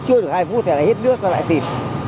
chưa được hai phút thì là hết nước rồi lại tìm